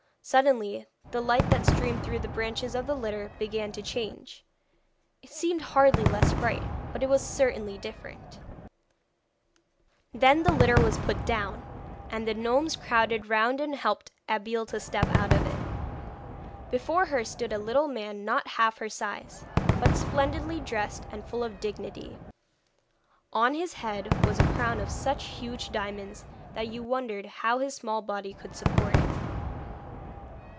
Suddenly the light that streamed through the branches of the litter began to change. It seemed hardly less bright, but it was certainly different; then the litter was put down, and the gnomes crowded round and helped Abeille to step out of it. Before her stood a little man not half her size, but splendidly dressed and full of dignity. On his head was a crown of such huge diamonds that you wondered how his small body could support it.